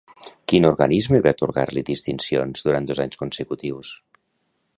Quin organisme va atorgar-li distincions durant dos anys consecutius?